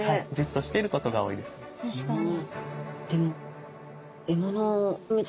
確かに。